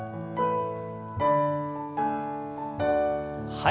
はい。